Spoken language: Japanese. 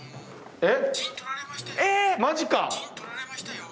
えっ。